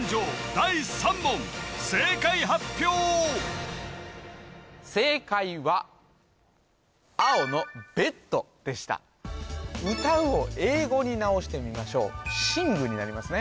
第３問正解発表正解は青のベッドでした歌うを英語に直してみましょうｓｉｎｇになりますね